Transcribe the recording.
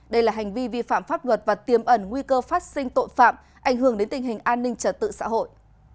đây là hành vi vi phạm pháp luật và tiêm ẩn nguy cơ phát sinh tội phạm ảnh hưởng đến tình hình an ninh trật tự xã hội